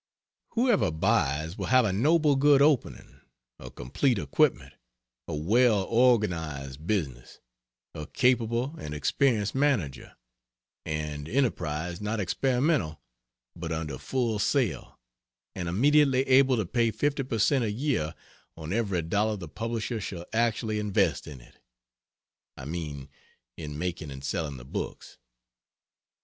Whoever buys will have a noble good opening a complete equipment, a well organized business, a capable and experienced manager, and enterprise not experimental but under full sail, and immediately able to pay 50 per cent a year on every dollar the publisher shall actually invest in it I mean in making and selling the books.